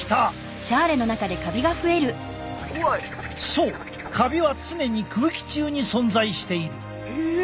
そうカビは常に空気中に存在している。